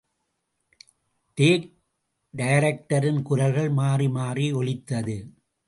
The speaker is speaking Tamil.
டேக்!... டைரக்டரின் குரல்கள் மாறி மாறி ஒலித்தது.